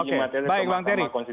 oke baik bang terry